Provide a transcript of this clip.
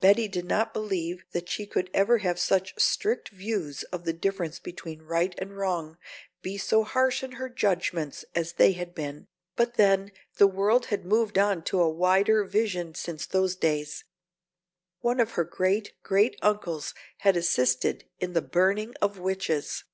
Betty did not believe that she could ever have such strict views of the difference between right and wrong, be so harsh in her judgments as they had been, but then the world had moved on to a wider vision since those days. One of her great, great uncles had assisted in the burning of witches.